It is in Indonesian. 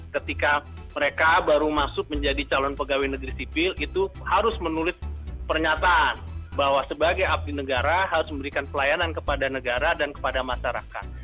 ketika mereka baru masuk menjadi calon pegawai negeri sipil itu harus menulis pernyataan bahwa sebagai abdi negara harus memberikan pelayanan kepada negara dan kepada masyarakat